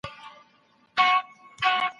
تر بيديدو مخکي اودس کول سنت عمل دی.